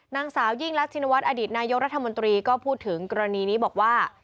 นางสาวยิ่งรักชินวัฒนอดีตนายกรัฐมนตรีก็พูดถึงกรณีนี้บอกว่า